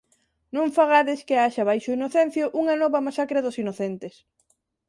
Non fagades que haxa baixo Inocencio unha nova masacre dos Inocentes.